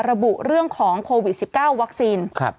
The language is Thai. ระบุเรื่องของโควิด๑๙วัคซีน